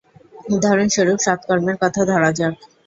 উদাহরণস্বরূপ সৎকর্মের কথা ধরা যাক।